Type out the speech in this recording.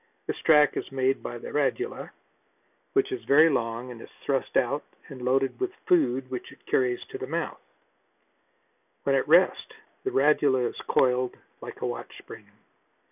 This track is made by the radula, which is very long and is thrust out and loaded with food which it carries to the mouth. When at rest the radula is coiled like a watch spring.